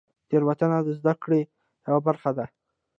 تېروتنه د زدهکړې یوه برخه ده.